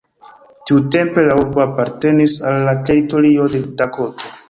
Tiutempe la urbo apartenis al la teritorio de Dakoto.